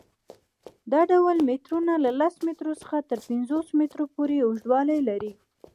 دا ډول میټرونه له لس میټرو څخه تر پنځوس میټرو پورې اوږدوالی لري.